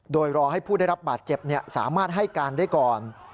โดยรอให้ผู้ได้รับบาดเจ็บสามารถให้การได้ก่อน